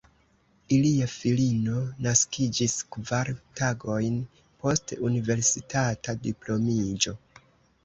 Ilia filino naskiĝis kvar tagojn post universitata diplomiĝo.